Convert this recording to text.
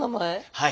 はい。